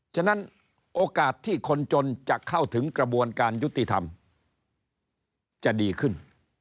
ฉะนั้นโอกาสที่คนจนจะเข้าถึงกระบวนการยุติธรรมจะดีขึ้น